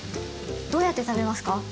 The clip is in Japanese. どうやって食べますか？